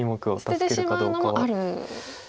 捨ててしまうのもある？